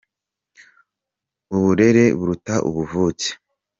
uburere buruta ubuvuke